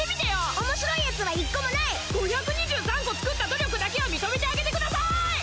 おもしろいヤツは１個もない５２３個作った努力だけは認めてあげて下さーい！